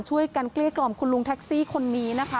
ช่วยกันเกลียดกล่อมคุณลุงแท็กซี่คนนี้นะคะ